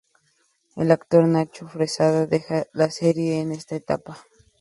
El actor Nacho Fresneda deja la serie en esta etapa.